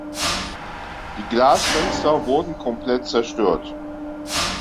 Die Glasfenster wurden komplett zerstört.